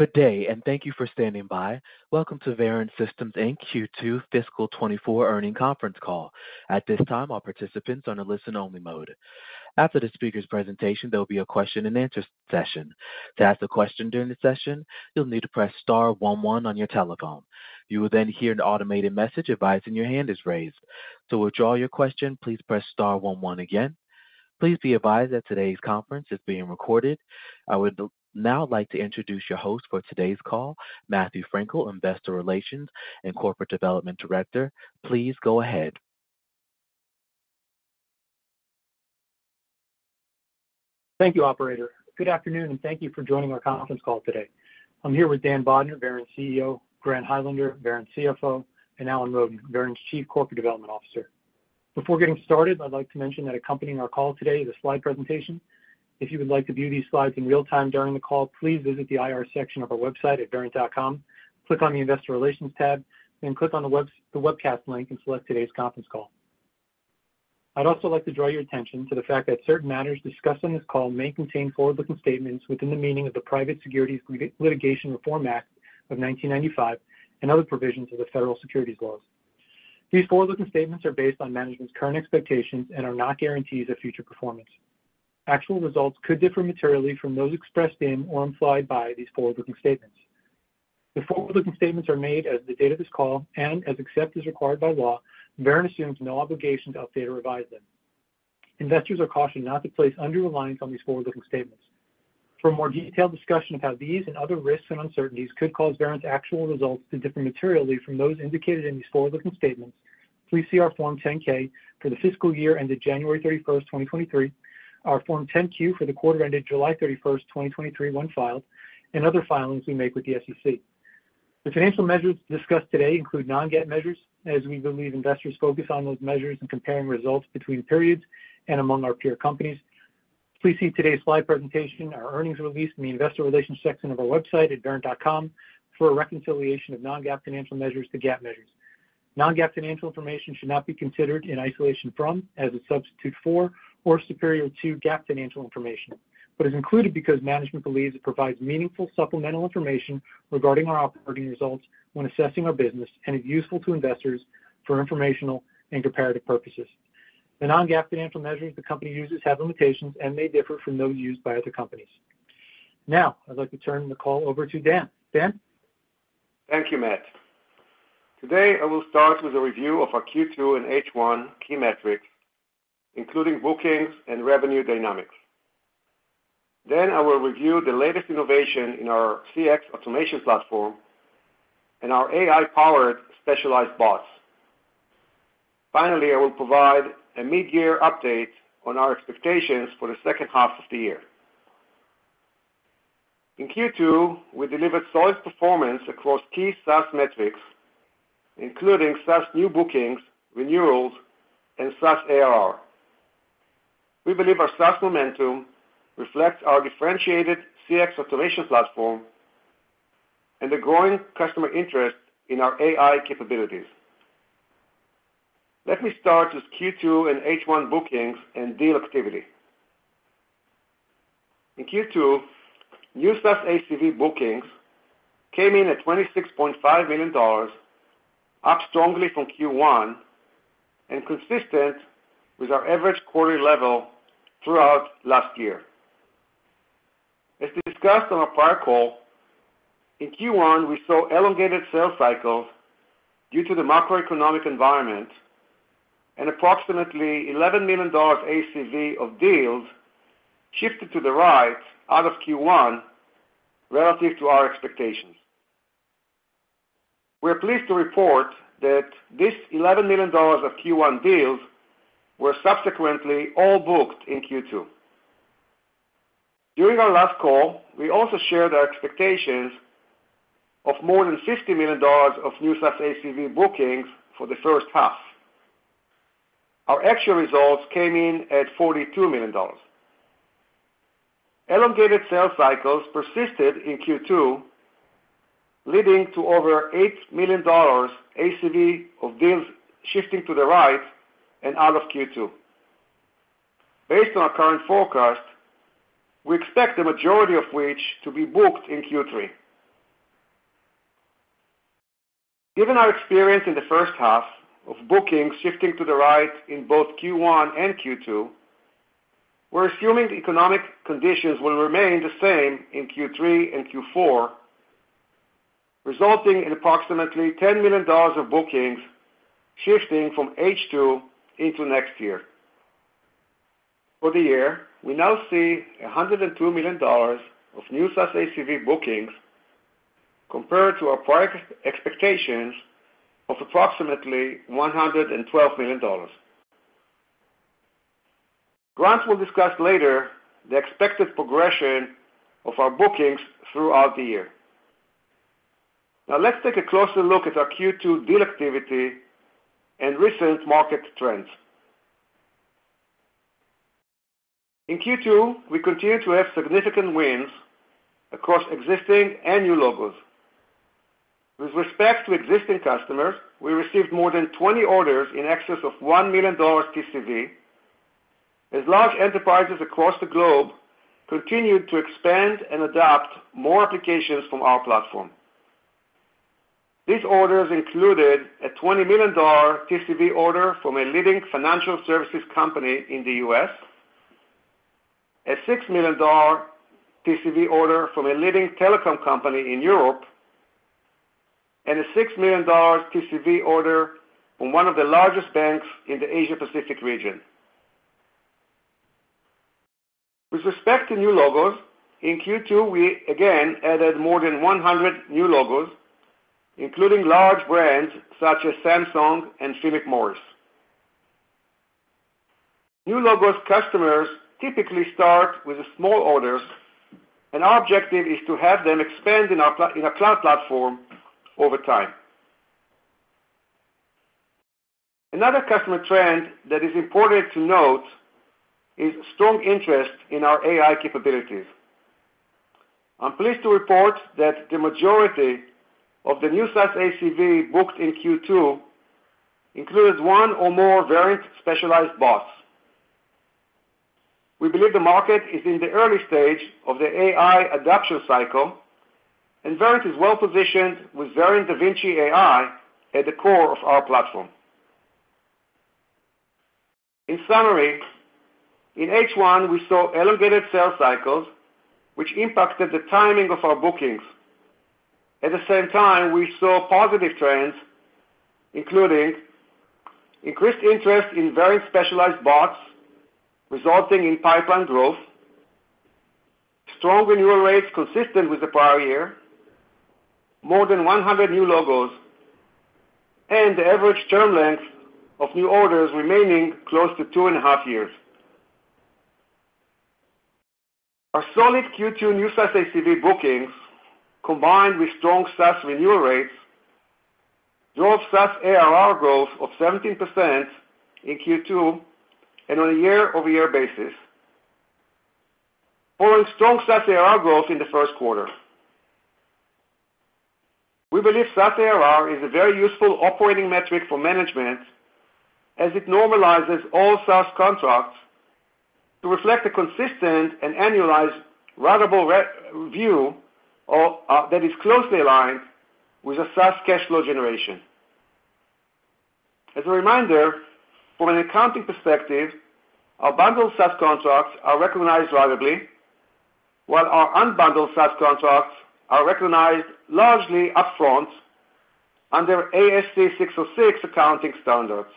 Good day, and thank you for standing by. Welcome to Verint Systems Inc. Q2 fiscal 2024 earnings conference call. At this time, all participants are on a listen-only mode. After the speaker's presentation, there will be a question-and-answer session. To ask a question during the session, you'll need to press star one one on your telephone. You will then hear an automated message advising that your hand is raised. To withdraw your question, please press star one one again. Please be advised that today's conference is being recorded. I would now like to introduce your host for today's call, Matthew Frankel, Investor Relations and Corporate Development Director. Please go ahead. Thank you, operator. Good afternoon, and thank you for joining our conference call today. I'm here with Dan Bodner, Verint's CEO, Grant Highlander, Verint's CFO, and Alan Roden, Verint's Chief Corporate Development Officer. Before getting started, I'd like to mention that accompanying our call today is a slide presentation. If you would like to view these slides in real time during the call, please visit the IR section of our website at verint.com, click on the Investor Relations tab, then click on the webcast link and select today's conference call. I'd also like to draw your attention to the fact that certain matters discussed on this call may contain forward-looking statements within the meaning of the Private Securities Litigation Reform Act of 1995 and other provisions of the federal securities laws. These forward-looking statements are based on management's current expectations and are not guarantees of future performance. Actual results could differ materially from those expressed in or implied by these forward-looking statements. The forward-looking statements are made as of the date of this call, and except as required by law, Verint assumes no obligation to update or revise them. Investors are cautioned not to place undue reliance on these forward-looking statements. For a more detailed discussion of how these and other risks and uncertainties could cause Verint's actual results to differ materially from those indicated in these forward-looking statements, please see our Form 10-K for the fiscal year ended January 31st, 2023, our Form 10-Q for the quarter ended July 31st, 2023, when filed, and other filings we make with the SEC. The financial measures discussed today include non-GAAP measures, as we believe investors focus on those measures when comparing results between periods and among our peer companies. Please see today's slide presentation, our earnings release in the investor relations section of our website at verint.com for a reconciliation of non-GAAP financial measures to GAAP measures. Non-GAAP financial information should not be considered in isolation from, as a substitute for, or superior to GAAP financial information, but is included because management believes it provides meaningful supplemental information regarding our operating results when assessing our business and is useful to investors for informational and comparative purposes. The non-GAAP financial measures the company uses have limitations and may differ from those used by other companies. Now, I'd like to turn the call over to Dan. Dan? Thank you, Matt. Today, I will start with a review of our Q2 and H1 key metrics, including bookings and revenue dynamics. Then I will review the latest innovation in our CX Automation Platform and our AI-powered specialized bots. Finally, I will provide a mid-year update on our expectations for the second half of the year. In Q2, we delivered solid performance across key SaaS metrics, including SaaS new bookings, renewals, and SaaS ARR. We believe our SaaS momentum reflects our differentiated CX Automation Platform and the growing customer interest in our AI capabilities. Let me start with Q2 and H1 bookings and deal activity. In Q2, new SaaS ACV bookings came in at $26.5 million, up strongly from Q1 and consistent with our average quarterly level throughout last year. As discussed on our prior call, in Q1, we saw elongated sales cycles due to the macroeconomic environment and approximately $11 million ACV of deals shifted to the right out of Q1 relative to our expectations. We are pleased to report that this $11 million of Q1 deals were subsequently all booked in Q2. During our last call, we also shared our expectations of more than $60 million of new SaaS ACV bookings for the first half. Our actual results came in at $42 million. Elongated sales cycles persisted in Q2, leading to over $8 million ACV of deals shifting to the right and out of Q2. Based on our current forecast, we expect the majority of which to be booked in Q3. Given our experience in the first half of bookings shifting to the right in both Q1 and Q2, we're assuming economic conditions will remain the same in Q3 and Q4, resulting in approximately $10 million of bookings shifting from H2 into next year. For the year, we now see $102 million of new SaaS ACV bookings compared to our prior expectations of approximately $112 million. Grant will discuss later the expected progression of our bookings throughout the year. Now, let's take a closer look at our Q2 deal activity and recent market trends. In Q2, we continued to have significant wins across existing and new logos.... With respect to existing customers, we received more than 20 orders in excess of $1 million TCV, as large enterprises across the globe continued to expand and adopt more applications from our platform. These orders included a $20 million TCV order from a leading financial services company in the U.S., a $6 million TCV order from a leading telecom company in Europe, and a $6 million TCV order from one of the largest banks in the Asia-Pacific region. With respect to new logos, in Q2, we again added more than 100 new logos, including large brands such as Samsung and Philip Morris. New logos customers typically start with a small order, and our objective is to have them expand in our cloud platform over time. Another customer trend that is important to note is strong interest in our AI capabilities. I'm pleased to report that the majority of the new SaaS ACV booked in Q2 includes one or more Verint specialized bots. We believe the market is in the early stage of the AI adoption cycle, and Verint is well positioned with Verint DaVinci AI at the core of our platform. In summary, in H1, we saw elongated sales cycles, which impacted the timing of our bookings. At the same time, we saw positive trends, including increased interest in Verint specialized bots, resulting in pipeline growth, strong renewal rates consistent with the prior year, more than 100 new logos, and the average term length of new orders remaining close to 2.5 years. Our solid Q2 new SaaS ACV bookings, combined with strong SaaS renewal rates, drove SaaS ARR growth of 17% in Q2 and on a year-over-year basis, following strong SaaS ARR growth in the Q1. We believe SaaS ARR is a very useful operating metric for management, as it normalizes all SaaS contracts to reflect a consistent and annualized ratable revenue of that is closely aligned with a SaaS cash flow generation. As a reminder, from an accounting perspective, our bundled SaaS contracts are recognized ratably, while our unbundled SaaS contracts are recognized largely upfront under ASC 606 accounting standards.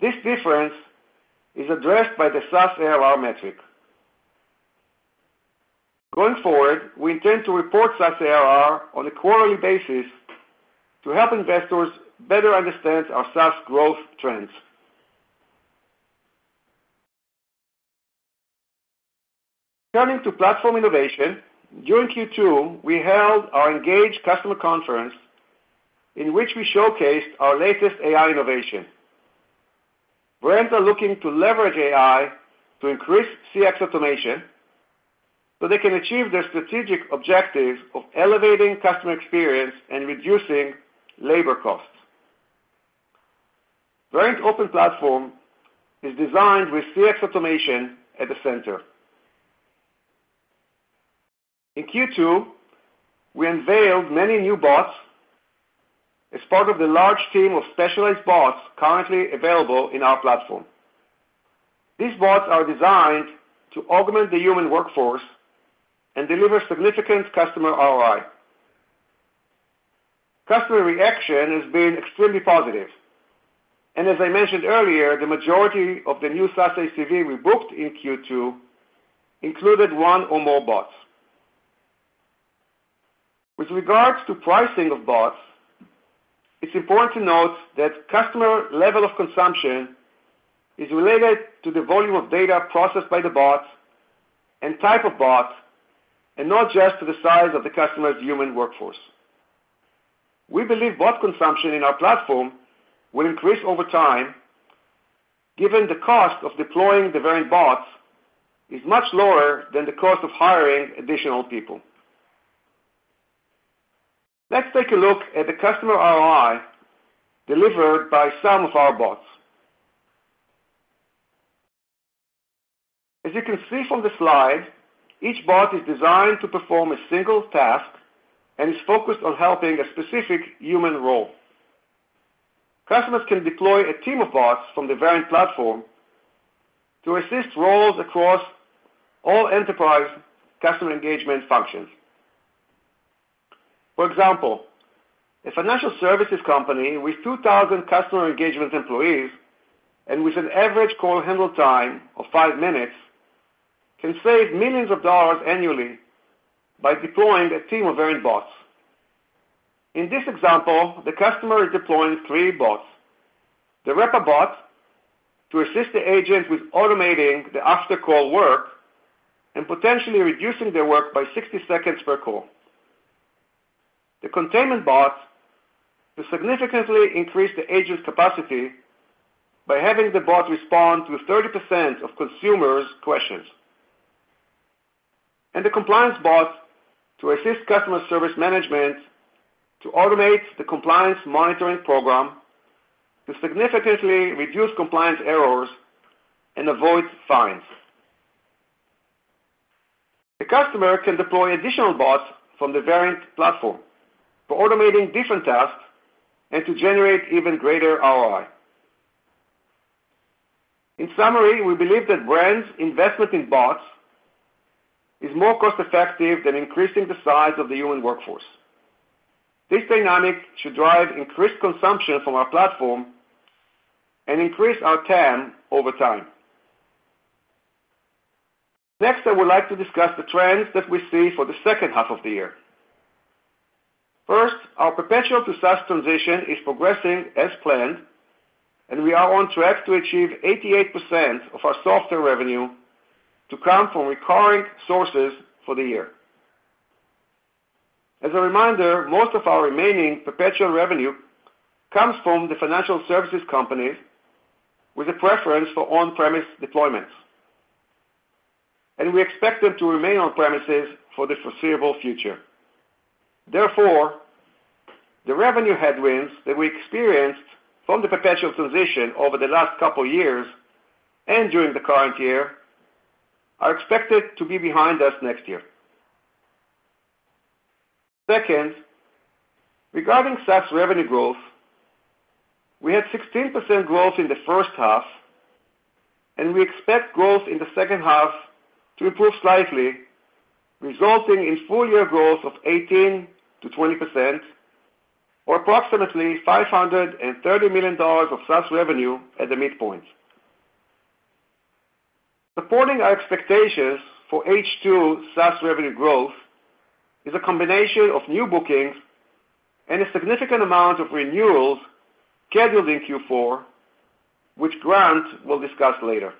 This difference is addressed by the SaaS ARR metric. Going forward, we intend to report SaaS ARR on a quarterly basis to help investors better understand our SaaS growth trends. Turning to platform innovation, during Q2, we held our Engage Customer Conference, in which we showcased our latest AI innovation. Brands are looking to leverage AI to increase CX automation, so they can achieve their strategic objectives of elevating customer experience and reducing labor costs. Verint Open Platform is designed with CX automation at the center. In Q2, we unveiled many new bots as part of the large team of specialized bots currently available in our platform. These bots are designed to augment the human workforce and deliver significant customer ROI. Customer reaction has been extremely positive, and as I mentioned earlier, the majority of the new SaaS ACV we booked in Q2 included one or more bots. With regards to pricing of bots, it's important to note that customer level of consumption is related to the volume of data processed by the bot and type of bot, and not just to the size of the customer's human workforce. We believe bot consumption in our platform will increase over time, given the cost of deploying the Verint bots is much lower than the cost of hiring additional people. Let's take a look at the customer ROI delivered by some of our bots. As you can see from the slide, each bot is designed to perform a single task and is focused on helping a specific human role. Customers can deploy a team of bots from the Verint platform to assist roles across all enterprise customer engagement functions. For example, a financial services company with 2,000 customer engagement employees and with an average call handle time of five minutes, can save $millions annually by deploying a team of Verint bots. In this example, the customer is deploying three bots. The Wrap-Up Bot, to assist the agent with automating the after-call work and potentially reducing their work by 60 seconds per call. The Containment Bot, to significantly increase the agent's capacity by having the bot respond to 30% of consumers' questions.... Compliance Bot to assist customer service management to automate the compliance monitoring program, to significantly reduce compliance errors and avoid fines. The customer can deploy additional bots from the Verint platform for automating different tasks and to generate even greater ROI. In summary, we believe that brands' investment in bots is more cost-effective than increasing the size of the human workforce. This dynamic should drive increased consumption from our platform and increase our TAM over time. Next, I would like to discuss the trends that we see for the second half of the year. First, our perpetual to SaaS transition is progressing as planned, and we are on track to achieve 88% of our software revenue to come from recurring sources for the year. As a reminder, most of our remaining perpetual revenue comes from the financial services companies with a preference for on-premise deployments, and we expect them to remain on premises for the foreseeable future. Therefore, the revenue headwinds that we experienced from the perpetual transition over the last couple of years and during the current year, are expected to be behind us next year. Second, regarding SaaS revenue growth, we had 16% growth in the first half, and we expect growth in the second half to improve slightly, resulting in full year growth of 18%-20% or approximately $530 million of SaaS revenue at the midpoint. Supporting our expectations for H2 SaaS revenue growth is a combination of new bookings and a significant amount of renewals scheduled in Q4, which Grant will discuss later.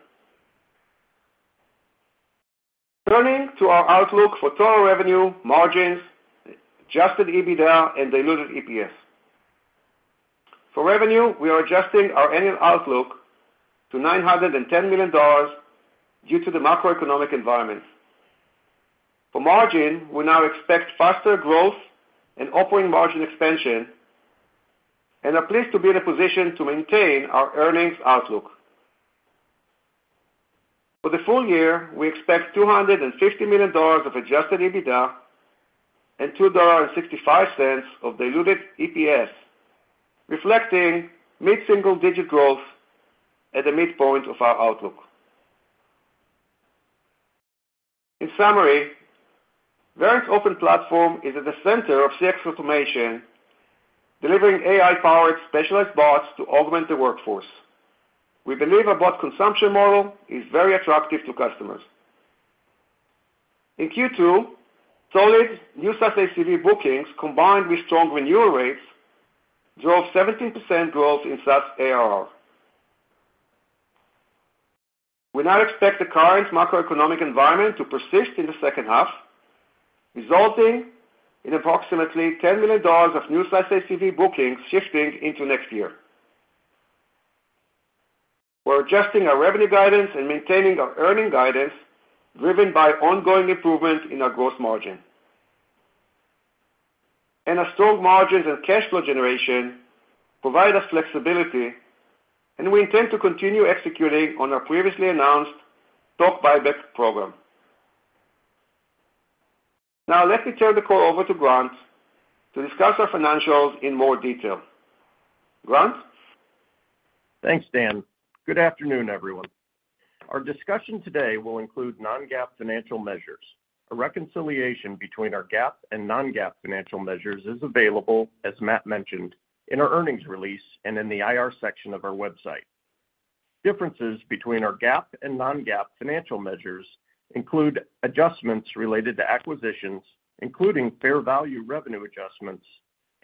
Turning to our outlook for total revenue, margins, adjusted EBITDA, and diluted EPS. For revenue, we are adjusting our annual outlook to $910 million due to the macroeconomic environment. For margin, we now expect faster growth and operating margin expansion and are pleased to be in a position to maintain our earnings outlook. For the full year, we expect $250 million of adjusted EBITDA and $2.65 of diluted EPS, reflecting mid-single-digit growth at the midpoint of our outlook. In summary, Verint Open Platform is at the center of CX automation, delivering AI-powered specialized bots to augment the workforce. We believe a bot consumption model is very attractive to customers. In Q2, solid new SaaS ACV bookings, combined with strong renewal rates, drove 17% growth in SaaS ARR. We now expect the current macroeconomic environment to persist in the second half, resulting in approximately $10 million of new SaaS ACV bookings shifting into next year. We're adjusting our revenue guidance and maintaining our earnings guidance, driven by ongoing improvements in our gross margin. Our strong margins and cash flow generation provide us flexibility, and we intend to continue executing on our previously announced stock buyback program. Now, let me turn the call over to Grant to discuss our financials in more detail. Grant? Thanks, Dan. Good afternoon, everyone. Our discussion today will include non-GAAP financial measures. A reconciliation between our GAAP and non-GAAP financial measures is available, as Matt mentioned, in our earnings release and in the IR section of our website. Differences between our GAAP and non-GAAP financial measures include adjustments related to acquisitions, including fair value revenue adjustments,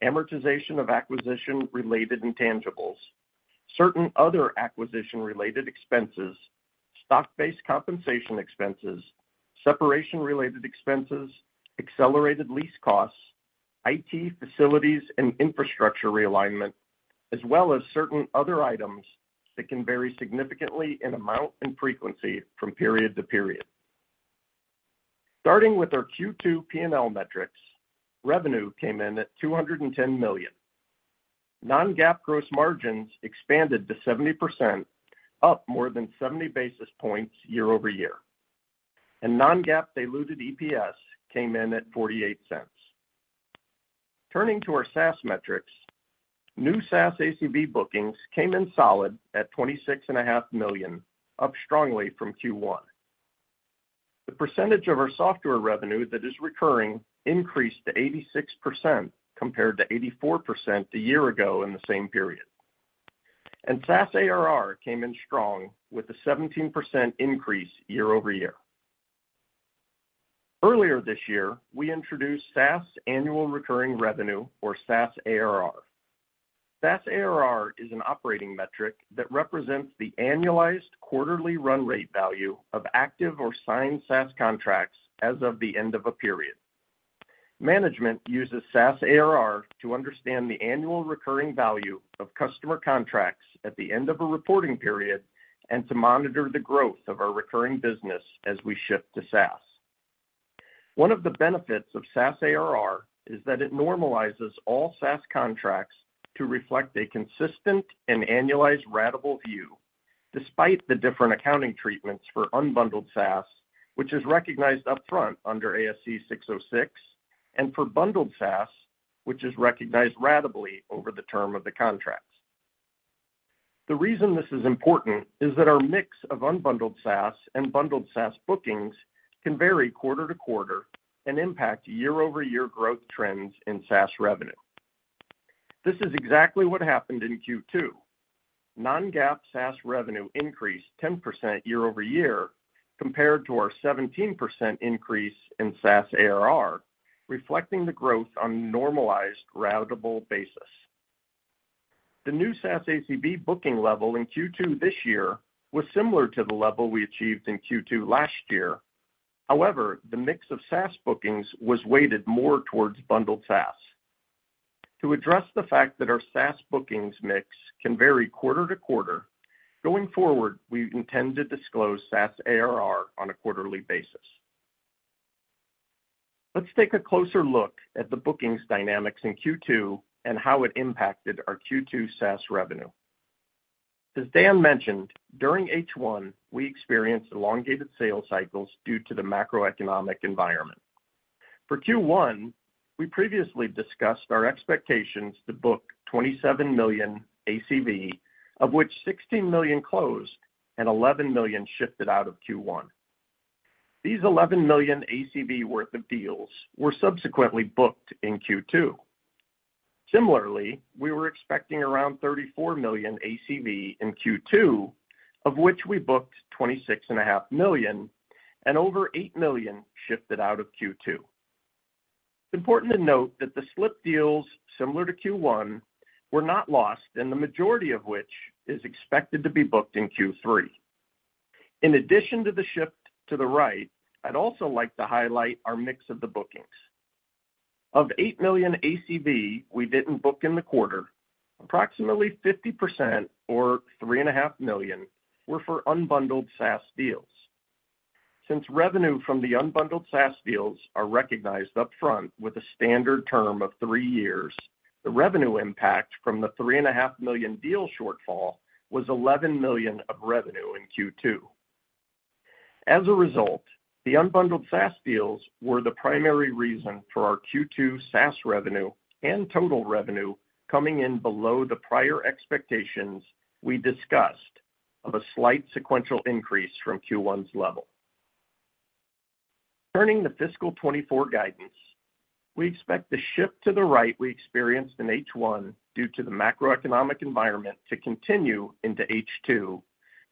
amortization of acquisition-related intangibles, certain other acquisition-related expenses, stock-based compensation expenses, separation-related expenses, accelerated lease costs, IT, facilities, and infrastructure realignment, as well as certain other items that can vary significantly in amount and frequency from period to period. Starting with our Q2 P&L metrics, revenue came in at $210 million. Non-GAAP gross margins expanded to 70%, up more than 70 basis points year-over-year, and non-GAAP diluted EPS came in at $0.48. Turning to our SaaS metrics, new SaaS ACV bookings came in solid at $26.5 million, up strongly from Q1. The percentage of our software revenue that is recurring increased to 86%, compared to 84% a year ago in the same period. SaaS ARR came in strong with a 17% increase year-over-year. Earlier this year, we introduced SaaS annual recurring revenue, or SaaS ARR. SaaS ARR is an operating metric that represents the annualized quarterly run rate value of active or signed SaaS contracts as of the end of a period. Management uses SaaS ARR to understand the annual recurring value of customer contracts at the end of a reporting period and to monitor the growth of our recurring business as we shift to SaaS. One of the benefits of SaaS ARR is that it normalizes all SaaS contracts to reflect a consistent and annualized ratable view, despite the different accounting treatments for unbundled SaaS, which is recognized upfront under ASC and for bundled SaaS, which is recognized ratably over the term of the contracts. The reason this is important is that our mix of unbundled SaaS and bundled SaaS bookings can vary quarter-to-quarter and impact year-over-year growth trends in SaaS revenue. This is exactly what happened in Q2. Non-GAAP SaaS revenue increased 10% year-over-year, compared to our 17% increase in SaaS ARR, reflecting the growth on a normalized ratable basis. The new SaaS ACV booking level in Q2 this year was similar to the level we achieved in Q2 last year. However, the mix of SaaS bookings was weighted more towards bundled SaaS. To address the fact that our SaaS bookings mix can vary quarter-to-quarter, going forward, we intend to disclose SaaS ARR on a quarterly basis. Let's take a closer look at the bookings dynamics in Q2 and how it impacted our Q2 SaaS revenue. As Dan mentioned, during H1, we experienced elongated sales cycles due to the macroeconomic environment. For Q1, we previously discussed our expectations to book $27 million ACV, of which $16 million closed and $11 million shifted out of Q1. These $11 million ACV worth of deals were subsequently booked in Q2. Similarly, we were expecting around $34 million ACV in Q2, of which we booked $26.5 million, and over $8 million shifted out of Q2. It's important to note that the slipped deals, similar to Q1, were not lost, and the majority of which is expected to be booked in Q3. In addition to the shift to the right, I'd also like to highlight our mix of the bookings. Of $8 million ACV we didn't book in the quarter, approximately 50%, or $3.5 million, were for unbundled SaaS deals. Since revenue from the unbundled SaaS deals are recognized upfront with a standard term of three years, the revenue impact from the $3.5 million deal shortfall was $11 million of revenue in Q2. As a result, the unbundled SaaS deals were the primary reason for our Q2 SaaS revenue and total revenue coming in below the prior expectations we discussed, of a slight sequential increase from Q1's level. Turning to fiscal 2024 guidance, we expect the shift to the right we experienced in H1 due to the macroeconomic environment, to continue into H2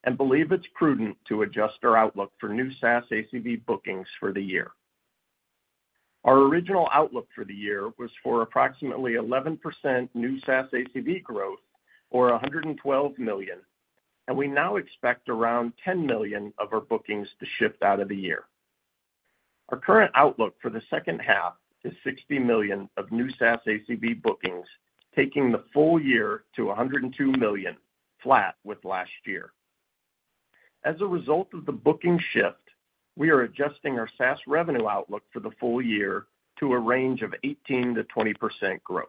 and believe it's prudent to adjust our outlook for new SaaS ACV bookings for the year. Our original outlook for the year was for approximately 11% new SaaS ACV growth, or $112 million, and we now expect around $10 million of our bookings to shift out of the year. Our current outlook for the second half is $60 million of new SaaS ACV bookings, taking the full year to $102 million, flat with last year. As a result of the booking shift, we are adjusting our SaaS revenue outlook for the full year to a range of 18%-20% growth.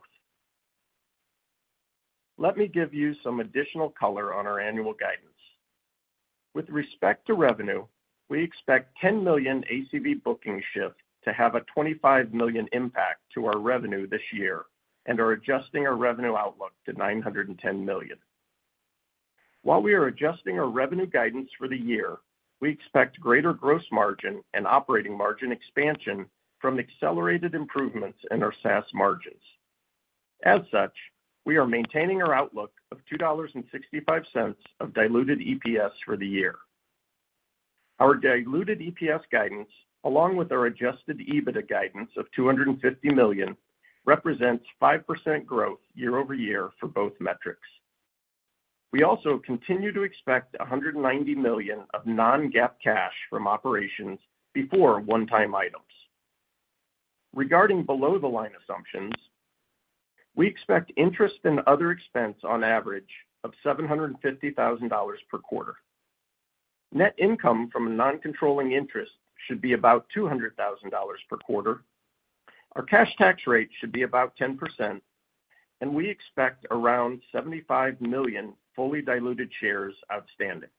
Let me give you some additional color on our annual guidance. With respect to revenue, we expect $10 million ACV booking shift to have a $25 million impact to our revenue this year and are adjusting our revenue outlook to $910 million. While we are adjusting our revenue guidance for the year, we expect greater gross margin and operating margin expansion from accelerated improvements in our SaaS margins. As such, we are maintaining our outlook of $2.65 of diluted EPS for the year. Our diluted EPS guidance, along with our adjusted EBITDA guidance of $250 million, represents 5% growth year-over-year for both metrics. We also continue to expect $190 million of non-GAAP cash from operations before one-time items. Regarding below-the-line assumptions, we expect interest and other expense on average of $750,000 per quarter. Net income from a non-controlling interest should be about $200,000 per quarter. Our cash tax rate should be about 10%, and we expect around 75 million fully diluted shares outstanding.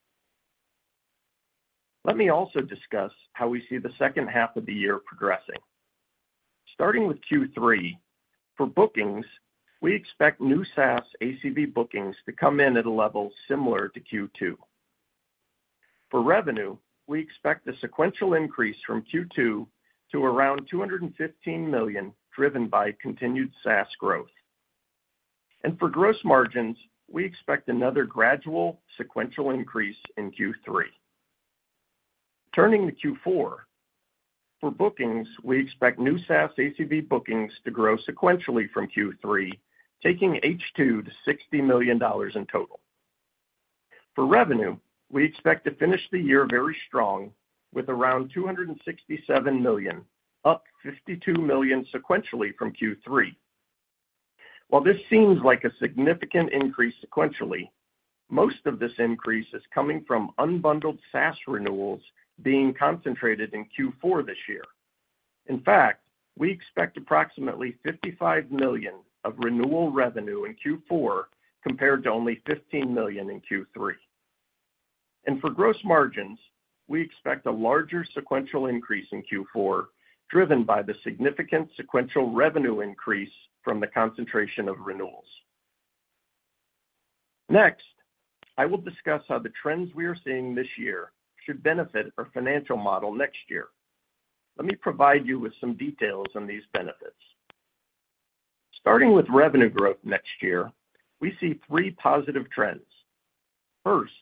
Let me also discuss how we see the second half of the year progressing. Starting with Q3, for bookings, we expect new SaaS ACV bookings to come in at a level similar to Q2. For revenue, we expect a sequential increase from Q2 to around $215 million, driven by continued SaaS growth. For gross margins, we expect another gradual sequential increase in Q3. Turning to Q4, for bookings, we expect new SaaS ACV bookings to grow sequentially from Q3, taking H2 to $60 million in total. For revenue, we expect to finish the year very strong, with around $267 million, up $52 million sequentially from Q3. While this seems like a significant increase sequentially, most of this increase is coming from unbundled SaaS renewals being concentrated in Q4 this year. In fact, we expect approximately $55 million of renewal revenue in Q4, compared to only $15 million in Q3. For gross margins, we expect a larger sequential increase in Q4, driven by the significant sequential revenue increase from the concentration of renewals. Next, I will discuss how the trends we are seeing this year should benefit our financial model next year. Let me provide you with some details on these benefits. Starting with revenue growth next year, we see three positive trends. First,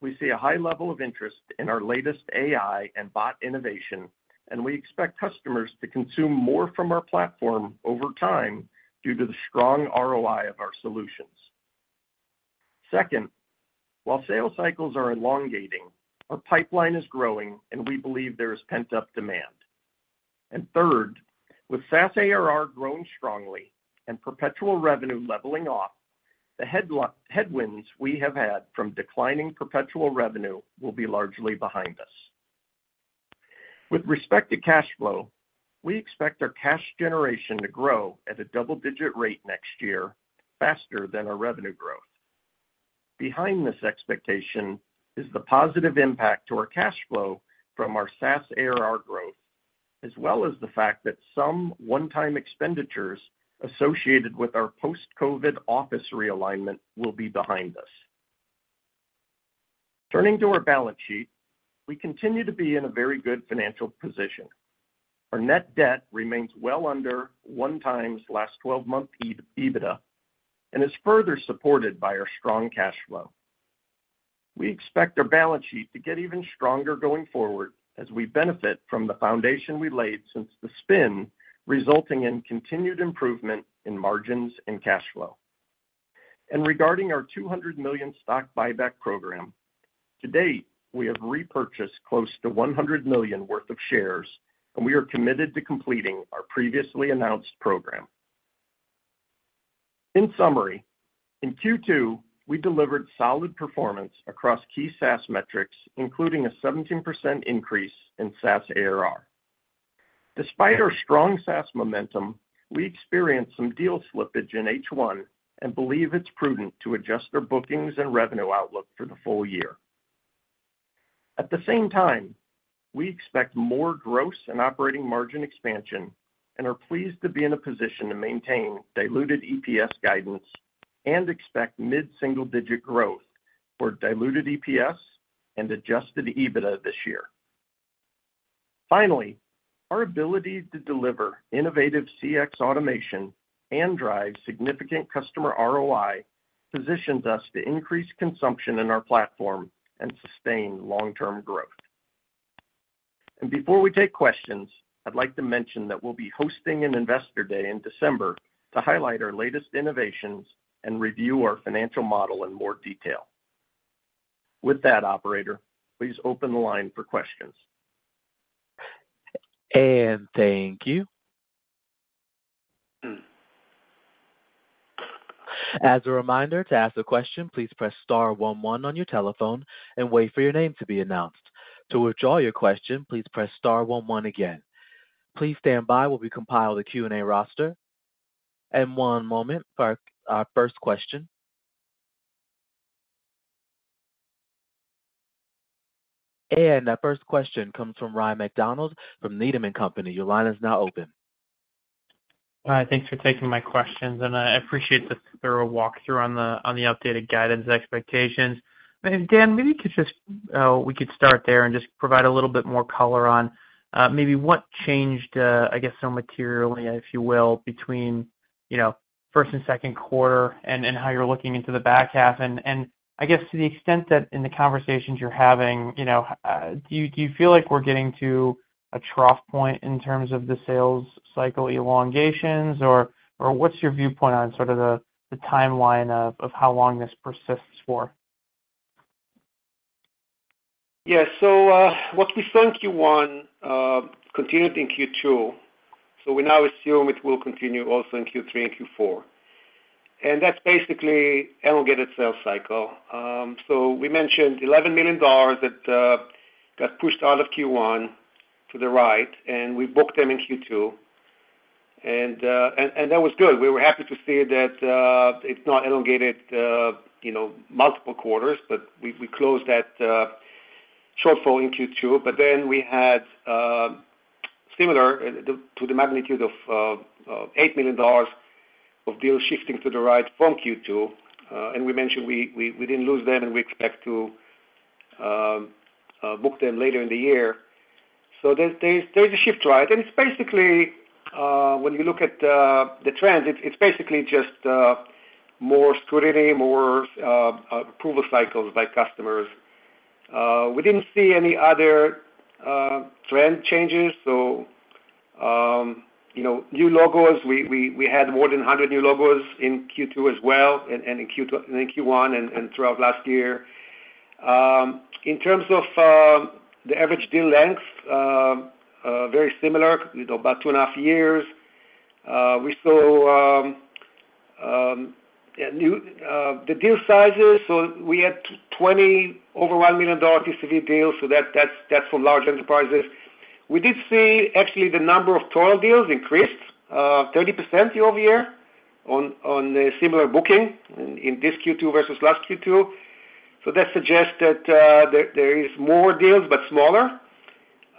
we see a high level of interest in our latest AI and bot innovation, and we expect customers to consume more from our platform over time due to the strong ROI of our solutions. Second, while sales cycles are elongating, our pipeline is growing, and we believe there is pent-up demand. And third, with SaaS ARR growing strongly and perpetual revenue leveling off, the headwinds we have had from declining perpetual revenue will be largely behind us. With respect to cash flow, we expect our cash generation to grow at a double-digit rate next year, faster than our revenue growth. Behind this expectation is the positive impact to our cash flow from our SaaS ARR growth, as well as the fact that some one-time expenditures associated with our post-COVID office realignment will be behind us. Turning to our balance sheet, we continue to be in a very good financial position. Our net debt remains well under one times last 12-month EBITDA, and is further supported by our strong cash flow. We expect our balance sheet to get even stronger going forward, as we benefit from the foundation we laid since the spin, resulting in continued improvement in margins and cash flow. Regarding our $200 million stock buyback program, to date, we have repurchased close to $100 million worth of shares, and we are committed to completing our previously announced program. In summary, in Q2, we delivered solid performance across key SaaS metrics, including a 17% increase in SaaS ARR. Despite our strong SaaS momentum, we experienced some deal slippage in H1 and believe it's prudent to adjust our bookings and revenue outlook for the full year. At the same time, we expect more gross and operating margin expansion and are pleased to be in a position to maintain diluted EPS guidance and expect mid-single-digit growth for diluted EPS and adjusted EBITDA this year. Finally, our ability to deliver innovative CX automation and drive significant customer ROI positions us to increase consumption in our platform and sustain long-term growth. Before we take questions, I'd like to mention that we'll be hosting an Investor Day in December to highlight our latest innovations and review our financial model in more detail. With that, operator, please open the line for questions. Thank you. As a reminder, to ask a question, please press star one one on your telephone and wait for your name to be announced. To withdraw your question, please press star one one again. Please stand by while we compile the Q&A roster. One moment for our first question. Our first question comes from Ryan MacDonald, from Needham & Company. Your line is now open. Hi, thanks for taking my questions, and I appreciate the thorough walkthrough on the updated guidance expectations. Dan, maybe you could just, we could start there and just provide a little bit more color on, maybe what changed, I guess, so materially, if you will, between, you know, Q1 and Q2 and, and how you're looking into the back half. And I guess to the extent that in the conversations you're having, you know, do you, do you feel like we're getting to a trough point in terms of the sales cycle elongations, or, or what's your viewpoint on sort of the, the timeline of, of how long this persists for? Yes. So, what we saw in Q1 continued in Q2, so we now assume it will continue also in Q3 and Q4. And that's basically elongated sales cycle. So we mentioned $11 million that got pushed out of Q1 to the right, and we booked them in Q2. And that was good. We were happy to see that it's not elongated, you know, multiple quarters, but we closed that shortfall in Q2. But then we had similar to the magnitude of $8 million of deals shifting to the right from Q2. And we mentioned we didn't lose them, and we expect to book them later in the year. So there's a shift right. It's basically, when you look at the trends, it's basically just more scrutiny, more approval cycles by customers. We didn't see any other trend changes. So, you know, new logos, we had more than 100 new logos in Q2 as well, and in Q1 and throughout last year. In terms of the average deal length, very similar, you know, about two and a half years. We saw, yeah, the deal sizes, so we had 20 over $1 million ACV deals, so that's for large enterprises. We did see actually, the number of total deals increased 30% year-over-year on a similar booking in this Q2 versus last Q2. So that suggests that there is more deals, but smaller.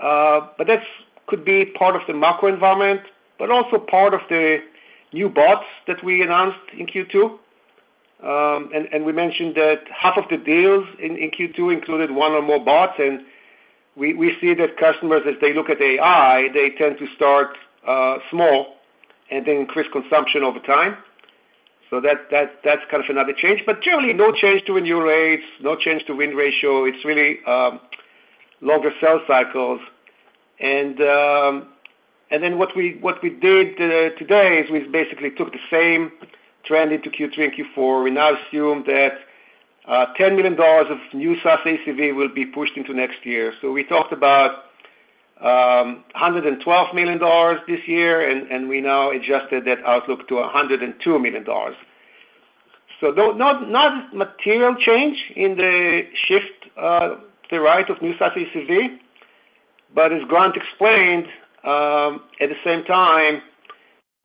That could be part of the macro environment, but also part of the new bots that we announced in Q2. And we mentioned that half of the deals in Q2 included one or more bots, and we see that customers, as they look at AI, they tend to start small and then increase consumption over time. So that's kind of another change. But generally, no change to renew rates, no change to win ratio. It's really longer sales cycles. And then what we did today is we basically took the same trend into Q3 and Q4. We now assume that $10 million of new SaaS ACV will be pushed into next year. So we talked about $112 million this year, and we now adjusted that outlook to $102 million. So though not a material change in the guide, the growth of new SaaS ACV, but as Grant explained, at the same time,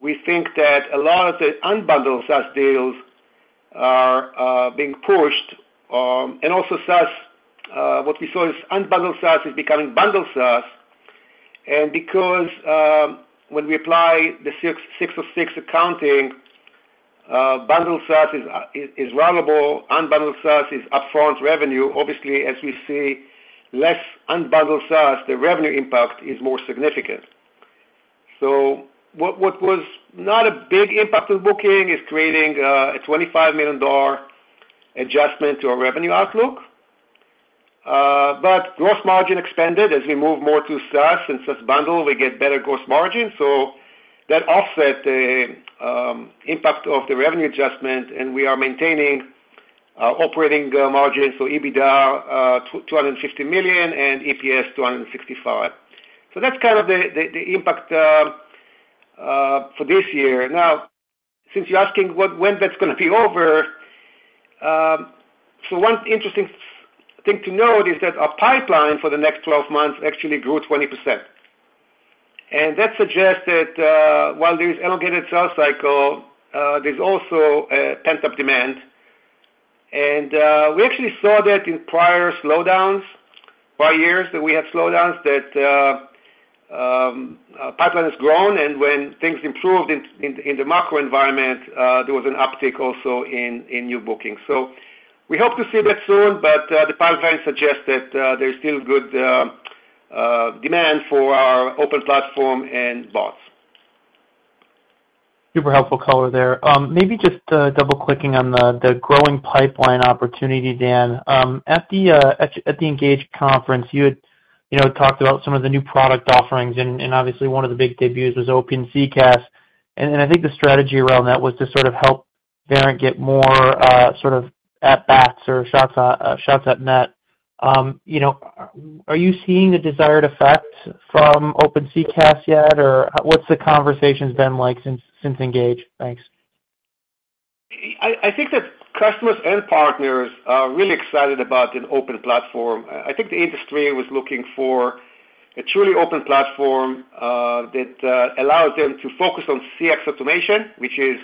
we think that a lot of the unbundled SaaS deals are being pushed, and also SaaS, what we saw is unbundled SaaS is becoming bundled SaaS. And because, when we apply the ASC 606 accounting, bundled SaaS is ratable, unbundled SaaS is upfront revenue. Obviously, as we see less unbundled SaaS, the revenue impact is more significant. So what was not a big impact on bookings is creating a $25 million adjustment to our revenue outlook. But gross margin expanded as we move more to SaaS. In SaaS bundle, we get better gross margin, so that offset the impact of the revenue adjustment, and we are maintaining operating margins, so EBITDA $250 million and EPS $2.65. So that's kind of the impact for this year. Now, since you're asking what, when that's gonna be over, so one interesting thing to note is that our pipeline for the next 12 months actually grew 20%. And that suggests that while there is elongated sales cycle, there's also a pent-up demand. And we actually saw that in prior slowdowns, prior years, that we had slowdowns, that pipeline has grown, and when things improved in the macro environment, there was an uptick also in new bookings. So we hope to see that soon, but the pipeline suggests that there's still good demand for our open platform and bots. Super helpful color there. Maybe just double-clicking on the growing pipeline opportunity, Dan. At the Engage conference, you had, you know, talked about some of the new product offerings, and obviously one of the big debuts was Open CCaaS. And I think the strategy around that was to sort of help Verint get more sort of at bats or shots at net. You know, are you seeing the desired effect from Open CCaaS yet? Or what's the conversations been like since Engage? Thanks. I think that customers and partners are really excited about an open platform. I think the industry was looking for a truly open platform that allows them to focus on CX automation, which is,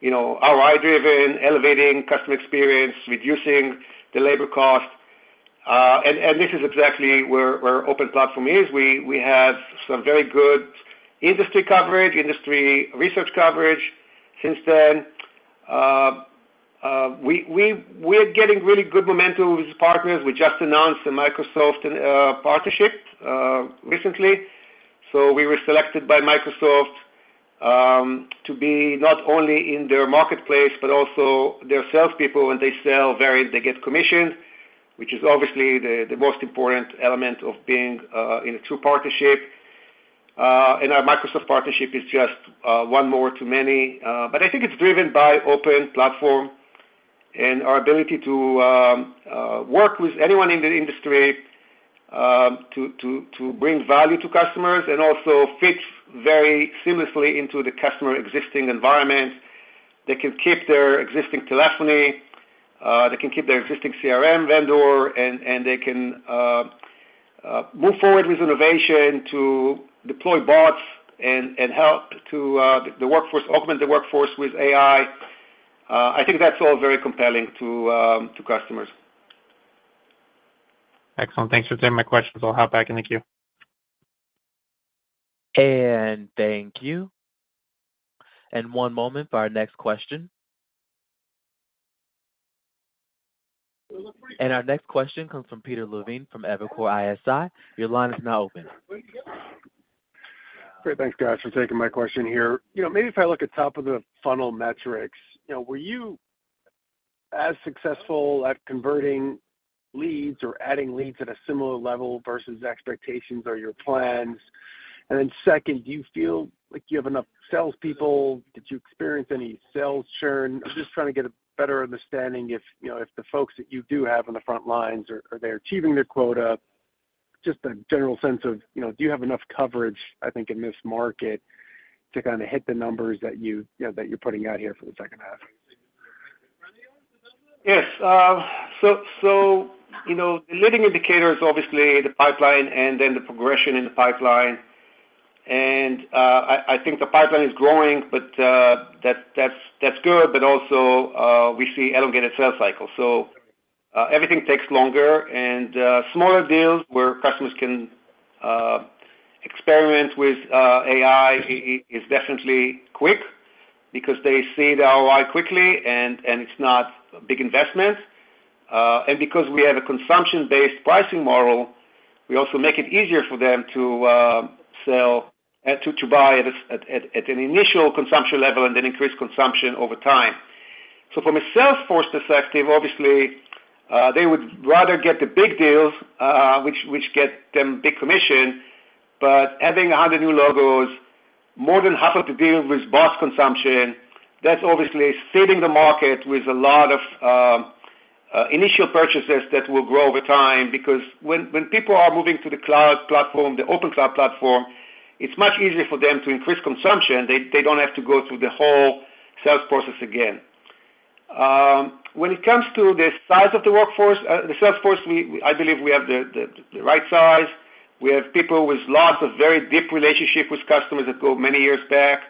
you know, AI-driven, elevating customer experience, reducing the labor cost. And this is exactly where Open Platform is. We have some very good industry coverage, industry research coverage since then. We're getting really good momentum with partners. We just announced a Microsoft partnership recently. So we were selected by Microsoft to be not only in their marketplace, but also their salespeople. When they sell Verint, they get commission, which is obviously the most important element of being in a true partnership. And our Microsoft partnership is just one more to many. But I think it's driven by open platform and our ability to work with anyone in the industry to bring value to customers and also fits very seamlessly into the customer's existing environment. They can keep their existing telephony, they can keep their existing CRM vendor, and they can move forward with innovation to deploy bots and help to augment the workforce with AI. I think that's all very compelling to customers. Excellent. Thanks for taking my questions. I'll hop back in the queue. Thank you. One moment for our next question. Our next question comes from Peter Levine, from Evercore ISI. Your line is now open. Great. Thanks, guys, for taking my question here. You know, maybe if I look at top of the funnel metrics, you know, were you as successful at converting leads or adding leads at a similar level versus expectations or your plans? And then second, do you feel like you have enough salespeople? Did you experience any sales churn? I'm just trying to get a better understanding if, you know, if the folks that you do have on the front lines, are they achieving their quota? Just a general sense of, you know, do you have enough coverage, I think, in this market, to kind of hit the numbers that you, you know, that you're putting out here for the second half? Yes, so, you know, the leading indicators, obviously, the pipeline and then the progression in the pipeline. And, I think the pipeline is growing, but, that's good, but also, we see elongated sales cycles. So, everything takes longer and, smaller deals where customers can experiment with AI is definitely quick because they see the ROI quickly and, it's not a big investment. And because we have a consumption-based pricing model, we also make it easier for them to sell to buy at an initial consumption level and then increase consumption over time. So from a sales force perspective, obviously, they would rather get the big deals, which get them big commission, but adding 100 new logos, more than half of the deals with SaaS consumption, that's obviously filling the market with a lot of initial purchases that will grow over time. Because when people are moving to the cloud platform, the open cloud platform, it's much easier for them to increase consumption. They don't have to go through the whole sales process again. When it comes to the size of the workforce, the sales force, I believe we have the right size. We have people with lots of very deep relationship with customers that go many years back,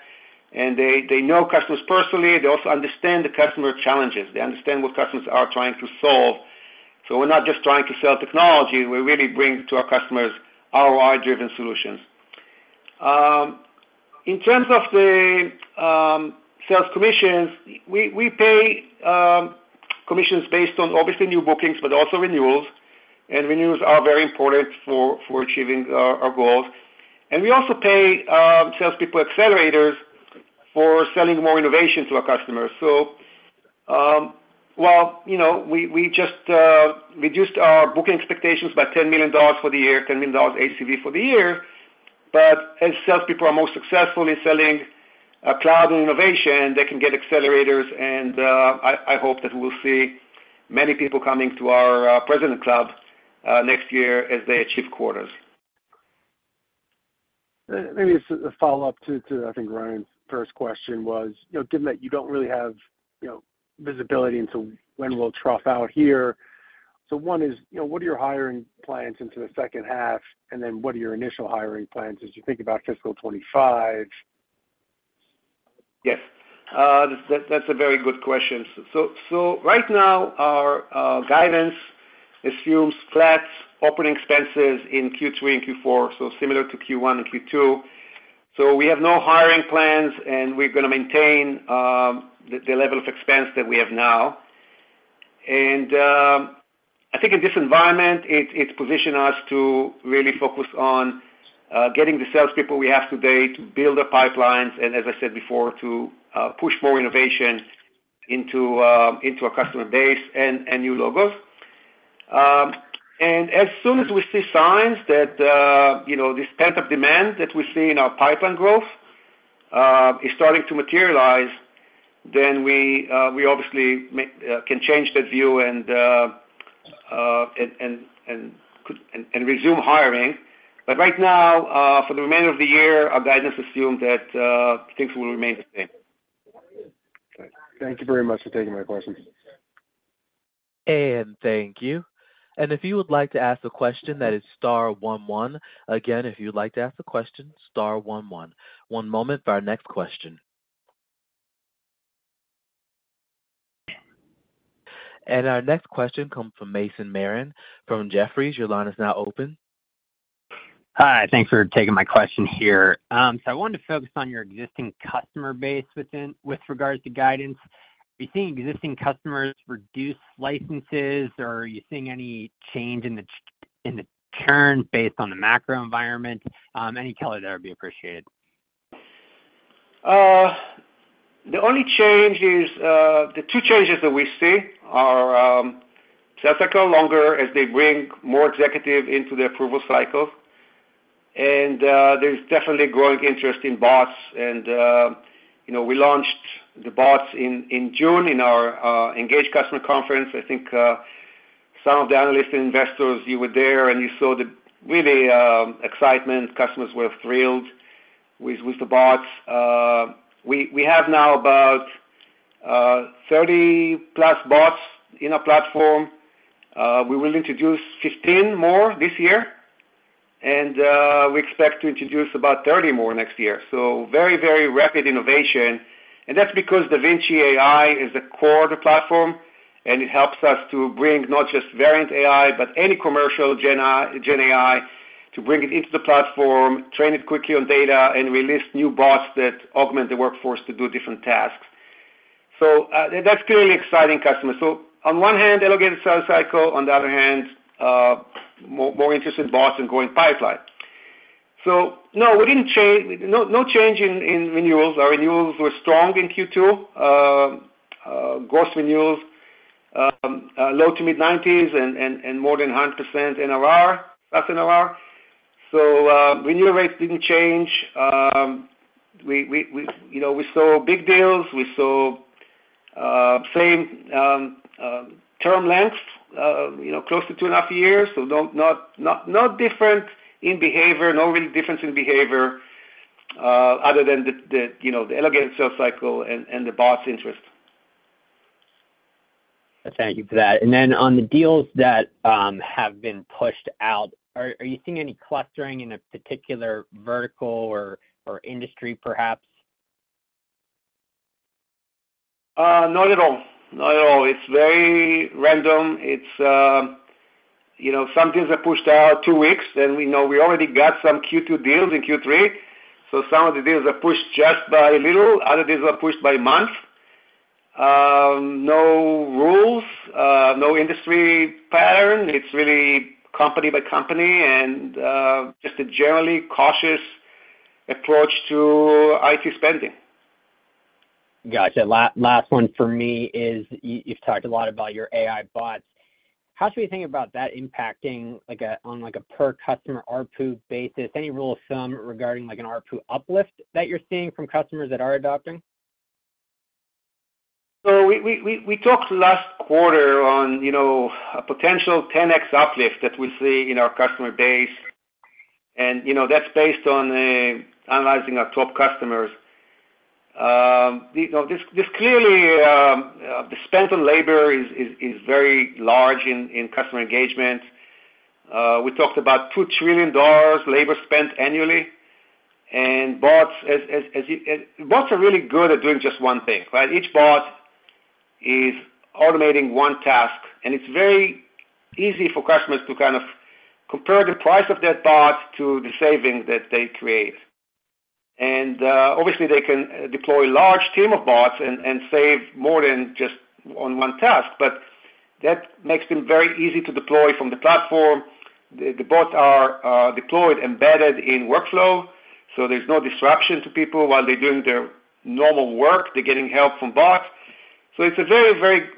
and they know customers personally. They also understand the customer challenges. They understand what customers are trying to solve. So we're not just trying to sell technology, we're really bringing to our customers ROI-driven solutions. In terms of the sales commissions, we pay commissions based on obviously new bookings, but also renewals, and renewals are very important for achieving our goals. And we also pay salespeople accelerators for selling more innovation to our customers. So while, you know, we just reduced our booking expectations by $10 million for the year, $10 million ACV for the year, but as salespeople are most successful in selling cloud innovation, they can get accelerators, and I hope that we'll see many people coming to our President's Club next year as they achieve quarters. Maybe just a follow-up to, I think Ryan's first question was, you know, given that you don't really have, you know, visibility into when we'll trough out here, so one is, you know, what are your hiring plans into the second half? And then what are your initial hiring plans as you think about fiscal 25? Yes, that's a very good question. So right now, our guidance assumes flat operating expenses in Q3 and Q4, so similar to Q1 and Q2. So we have no hiring plans, and we're going to maintain the level of expense that we have now. And I think in this environment, it's positioned us to really focus on getting the salespeople we have today to build the pipelines, and as I said before, to push more innovation into our customer base and new logos. And as soon as we see signs that, you know, this pent-up demand that we see in our pipeline growth is starting to materialize, then we obviously can change that view and resume hiring. Right now, for the remainder of the year, our guidance assumes that things will remain the same. Thank you very much for taking my questions. And thank you. And if you would like to ask a question, that is star one one. Again, if you'd like to ask a question, star one one. One moment for our next question. And our next question comes from Mason Marion from Jefferies. Your line is now open. Hi, thanks for taking my question here. I wanted to focus on your existing customer base with regards to guidance. Are you seeing existing customers reduce licenses, or are you seeing any change in the churn based on the macro environment? Any color there would be appreciated. The only change is, the two changes that we see are, sales cycle longer as they bring more executive into the approval cycle, and there's definitely growing interest in bots and, you know, we launched the bots in June in our Engage Customer Conference. I think, some of the analysts and investors, you were there, and you saw the really excitement. Customers were thrilled with the bots. We have now about 30+ bots in our platform. We will introduce 15 more this year, and we expect to introduce about 30 more next year. So very, very rapid innovation, and that's because DaVinci AI is the core of the platform, and it helps us to bring not just Verint AI, but any commercial GenAI, to bring it into the platform, train it quickly on data, and release new bots that augment the workforce to do different tasks. So, that's clearly exciting customers. So on one hand, elongated sales cycle, on the other hand, more interested in bots and growing pipeline. So no, we didn't change—no, no change in renewals. Our renewals were strong in Q2. Gross renewals low to mid-90s% and more than 100% NRR, that's NRR. So, renewal rates didn't change. We, you know, we saw big deals. We saw same term lengths, you know, close to 2.5 years. So not different in behavior, no real difference in behavior, other than the you know, the elongated sales cycle and the bots interest. Thank you for that. And then on the deals that have been pushed out, are you seeing any clustering in a particular vertical or industry perhaps? Not at all. Not at all. It's very random. It's, you know, some deals are pushed out two weeks, then we know we already got some Q2 deals in Q3. So some of the deals are pushed just by little, other deals are pushed by month. No rules, no industry pattern. It's really company by company and, just a generally cautious approach to IT spending. Gotcha. Last one for me is, you, you've talked a lot about your AI bots. How should we think about that impacting, like, on, like, a per customer ARPU basis? Any rule of thumb regarding, like, an ARPU uplift that you're seeing from customers that are adopting? So we talked last quarter on, you know, a potential 10x uplift that we see in our customer base, and, you know, that's based on analyzing our top customers. You know, this clearly the spend on labor is very large in customer engagement. We talked about $2 trillion labor spent annually, and bots are really good at doing just one thing, right? Each bot is automating one task, and it's very easy for customers to kind of compare the price of that bot to the savings that they create. And obviously, they can deploy a large team of bots and save more than just on one task, but that makes them very easy to deploy from the platform. The bots are deployed, embedded in workflow, so there's no disruption to people while they're doing their normal work. They're getting help from bots. So it's a very, very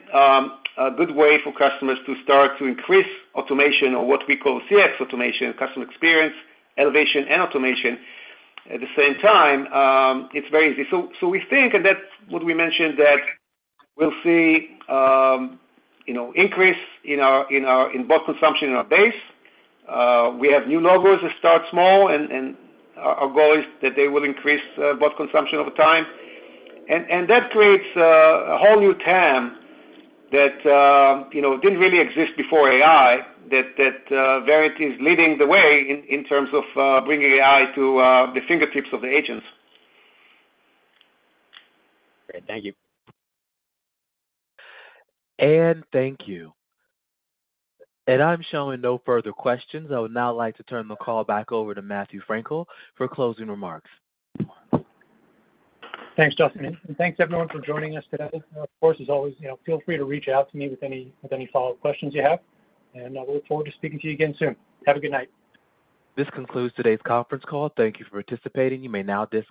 good way for customers to start to increase automation or what we call CX automation, customer experience, elevation, and automation. At the same time, it's very easy. So we think, and that's what we mentioned, that we'll see, you know, increase in our bot consumption in our base. We have new logos that start small, and our goal is that they will increase bot consumption over time. And that creates a whole new TAM that, you know, didn't really exist before AI. That Verint is leading the way in terms of bringing AI to the fingertips of the agents. Great. Thank you. Thank you. I'm showing no further questions. I would now like to turn the call back over to Matthew Frankel for closing remarks. Thanks, Justin, and thanks, everyone, for joining us today. Of course, as always, you know, feel free to reach out to me with any, with any follow-up questions you have, and I look forward to speaking to you again soon. Have a good night. This concludes today's conference call. Thank you for participating. You may now disconnect.